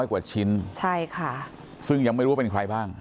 กว่าชิ้นใช่ค่ะซึ่งยังไม่รู้ว่าเป็นใครบ้าง